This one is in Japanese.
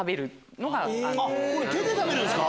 これ手で食べるんすか！